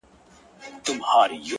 خوله يوه ښه ده ـ خو خبري اورېدل ښه دي ـ